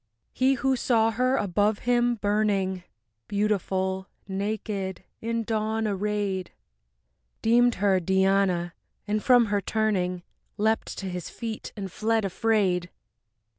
He who saw her above him burning, Beautiful, naked, in dawn arrayed, Deemed her Diana, and from her turning, Leapt to his feet and fled afraid.